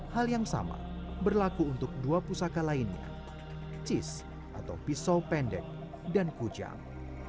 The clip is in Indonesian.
hal yang sama berlaku untuk dua pusaka lainnya cis atau pisau pendek dan kujang